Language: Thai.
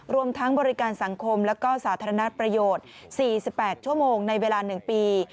รวมทั้งบริการสังคมและก็สาธารณประโยชน์๔๘ชั่วโมงในเวลา๑ปี